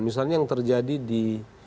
misalnya yang terjadi di